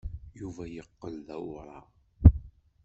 Yuba yeqqel d awraɣ.